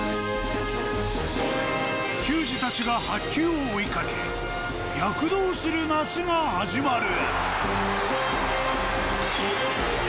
球児たちが白球を追いかけ躍動する夏が始まる。